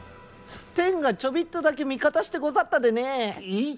天がちょびっとだけ味方してござったでねえ。